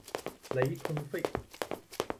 雷通费。